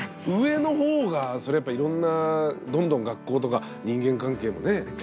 上の方がそれやっぱいろんなどんどん学校とか人間関係もね